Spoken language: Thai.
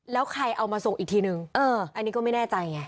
แล้วใครเอามาส่งอีกทีนึงอันนี้ก็ไม่แน่ใจไง